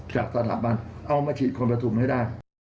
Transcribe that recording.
จากตลาดบ้านเอามาฉีดคนประชุมให้ได้